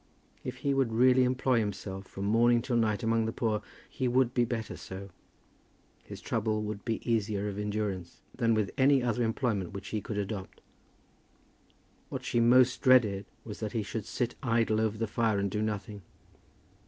If he would really employ himself from morning till night among the poor, he would be better so, his trouble would be easier of endurance, than with any other employment which he could adopt. What she most dreaded was that he should sit idle over the fire and do nothing.